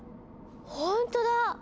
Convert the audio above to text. ほんとだ！